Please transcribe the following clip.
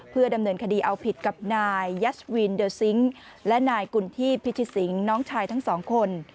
เพื่อดำเนินคดีเอาผิดกับนายยัชวินเดอร์ซิงค์และนายกุณฑีพิธิสิงศ์น้องชายทั้งสองคน